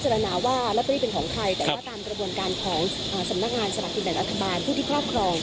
ครับไม่เกี่ยวกับคดีอาญาครับ